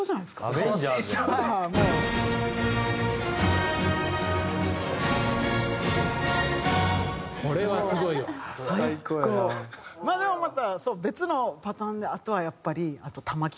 でもまた別のパターンであとはやっぱり。